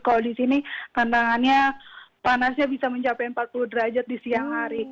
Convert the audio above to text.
kalau di sini tantangannya panasnya bisa mencapai empat puluh derajat di siang hari